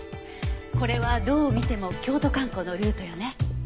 これはどう見ても京都観光のルートよね。